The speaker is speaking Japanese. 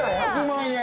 １００万円。